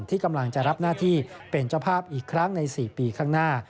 ที่กำลังจะรับหน้าที่เป็นเจ้าภาพอีกครั้งใน๔ปีข้างหน้า